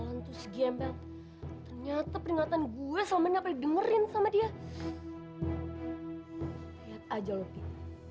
hai zat tu s vampire ternyata perlihatan gue sama nyapa dengerin sama dia dekat aja wiem